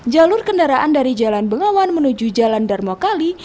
jalur kendaraan dari jalan bengawan menuju jalan darmo kali